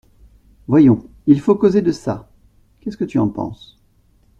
Voyons, il faut causer de ça ; qu’est-ce que tu en penses ?